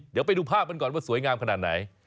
เดี๋ยวไปดูภาพกันก่อนว่าสวยงามขนาดไหน